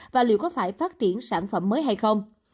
và liệu có phải phát triển sản phẩm mới hay không